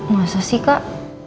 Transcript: masa sih kak